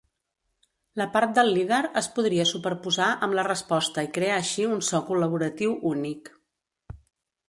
La part del líder es podria superposar amb la resposta i crear així un so col·laboratiu únic.